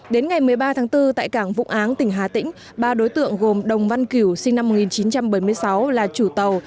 đến ngày một mươi ba tháng bốn tại cảng vụ án tỉnh hà tĩnh ba đối tượng gồm đồng văn kiểu sinh năm một nghìn chín trăm bảy mươi sáu là chủ tàu